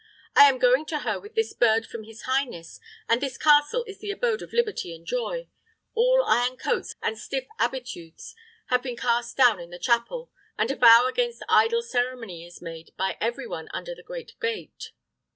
"I am going to her with this bird from his highness; and this castle is the abode of liberty and joy. All iron coats and stiff habitudes have been cast down in the chapel, and a vow against idle ceremony is made by every one under the great gate."